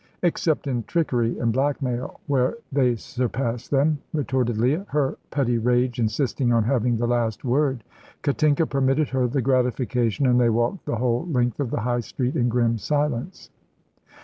"Except in trickery and blackmail, where they surpass them," retorted Leah, her petty rage insisting on having the last word. Katinka permitted her the gratification, and they walked the whole length of the High Street in grim silence.